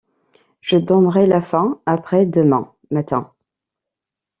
Je donnerai la fin après-demain matin. —